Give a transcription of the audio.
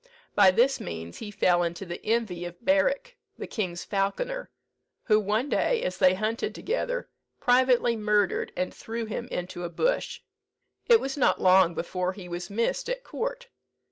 By this means he fell into the envy of Berick, the king's falconer, who one day, as they hunted together, privately murdered and threw him into a bush. It was not long before he was missed at court.